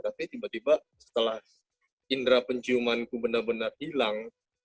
tapi tiba tiba setelah indera penciumanku benar benar hilang